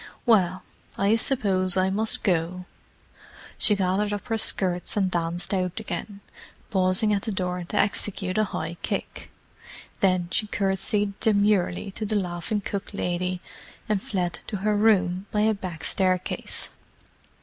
"Well, I suppose I must go." She gathered up her skirts and danced out again, pausing at the door to execute a high kick. Then she curtsied demurely to the laughing cook lady, and fled to her room by a back staircase.